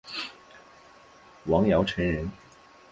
王尧臣人。